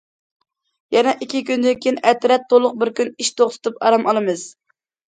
يەنە ئىككى كۈندىن كېيىن ئەترەت تولۇق بىر كۈن ئىش توختىتىپ ئارام ئالىمىز.